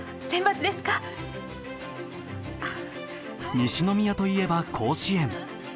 西宮といえば甲子園。